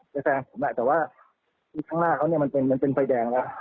จะแซ่งผมแหละแต่ว่าทางหน้าเขาเนี้ยมันเป็นมันเป็นไฟแดงแล้ว